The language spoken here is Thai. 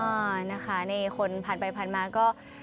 นะคะนี่คนผ่านไปผ่านมาก็